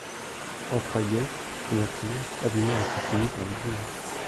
Entraguet, son meurtrier, a du moins été puni par l’exil…